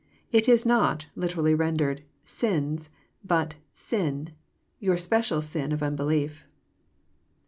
It is not, liter ally rendered, sins," but " sin," — your special sin of unbelief!